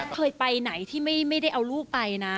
เคยไปไหนที่ไม่ได้เอาลูกไปนะ